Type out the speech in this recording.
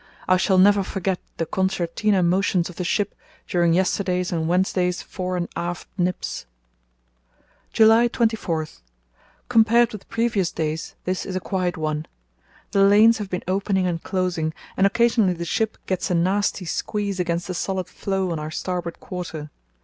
I shall never forget the concertina motions of the ship during yesterday's and Wednesday's fore and aft nips. "July 24.—Compared with previous days this is a quiet one. The lanes have been opening and closing, and occasionally the ship gets a nasty squeeze against the solid floe on our starboard quarter.